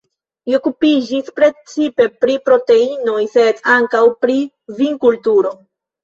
Li okupiĝis precipe pri proteinoj, sed ankaŭ pri vinkulturo.